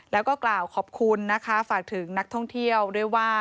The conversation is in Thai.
แล้วก็กล่าวขอบคุณนะคะฝากถึงนักท่องเที่ยวด้วยว่า